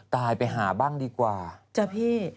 ตายไปหาบ้างดีกว่าจ้าพี่จ้าพี่จ้าพี่จ้าพี่